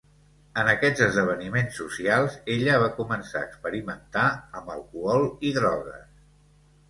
En aquests esdeveniments socials, ella va començar a experimentar amb alcohol i drogues.